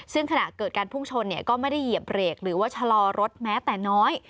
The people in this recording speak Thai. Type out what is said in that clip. ซึ่งขณะเกิดการพุ่งชนก็ไม่ได้เหยียบเบรกหรือว่าชะลอรถแม้แต่น้อย